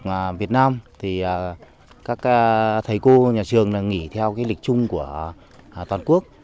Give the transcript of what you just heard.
và việt nam thì các thầy cô nhà trường nghỉ theo cái lịch chung của toàn quốc